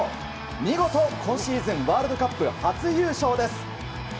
見事、今シーズンワールドカップ初優勝です。